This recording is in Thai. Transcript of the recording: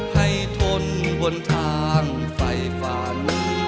ให้ทนบนทางไฟฟัน